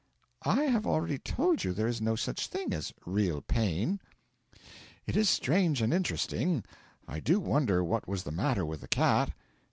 'I have already told you there is no such thing as real pain.' 'It is strange and interesting. I do wonder what was the matter with the cat.